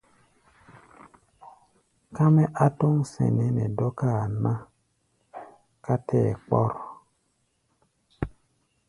Ká mɛ́ á tɔ́ŋ sɛnɛ́ nɛ dɔ́káa ná ká tɛ́ɛ kpɔ́r.